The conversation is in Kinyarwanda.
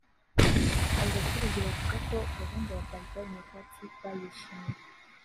Aba baturage bavuga ko gahunda ya “Bye Bye Nyakatsi bayishimiye